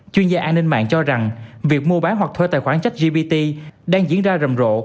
chuyên gia an ninh mạng cho rằng việc mua bán hoặc thuê tài khoản chất gpt đang diễn ra rầm rộ